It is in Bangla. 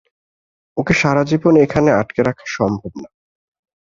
ওকে সারাজীবন এখানে আঁটকে রাখা সম্ভব না।